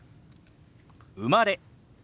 「生まれ」。